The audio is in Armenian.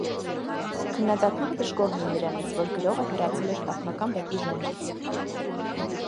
Քննադատները դժգոհ էին նրանից, որ գրողը հեռացել էր պատմական վեպի ժանրից։